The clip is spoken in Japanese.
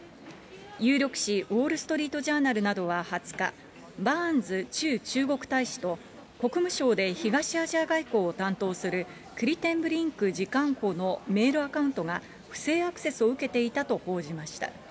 有力紙、ウォール・ストリート・ジャーナルなどは２０日、バーンズ駐中国大使と国務省で東アジア外交を担当するクリテンブリンク次官補のメールアカウントが、不正アクセスを受けていたと報じました。